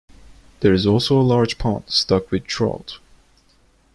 There is also a large pond stocked with trout.